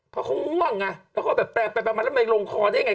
เพราะเขาห่วงแล้วก็แปลกมาแล้วมันลงคอได้ยังไง